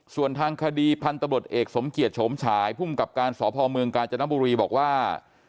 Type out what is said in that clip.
ส่วนทางคดีพันธบทเอกสมเกียจโฉมฉายภูมิกับการสพเมืองกาญจนบุรีบอกว่า